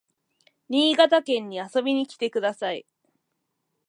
新潟県に遊びに来てください